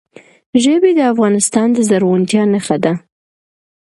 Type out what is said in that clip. ژبې د افغانستان د زرغونتیا نښه ده.